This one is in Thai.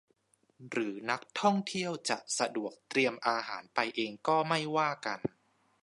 หรือนักท่องเที่ยวจะสะดวกเตรียมอาหารไปเองก็ไม่ว่ากัน